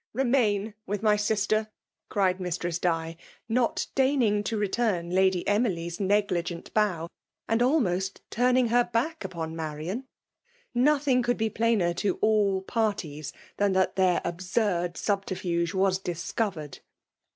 Refnain with my sister!'* cried Mistress Di, not deigning to return Lady Emily s negligent bow, and almost turning bet back upon Marian; nothing could be plainer to all parties than that their absurd subterfuge was discoyered